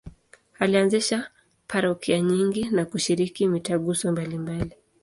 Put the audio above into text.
Alianzisha parokia nyingi na kushiriki mitaguso mbalimbali.